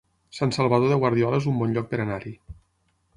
Sant Salvador de Guardiola es un bon lloc per anar-hi